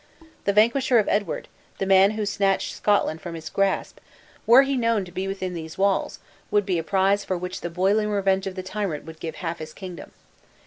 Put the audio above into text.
The vanquisher of Edward, the man who snatched Scotland from his grasp, were he known to be within these walls, would be a prize for which the boiling revenge of the tyrant would give half his kingdom!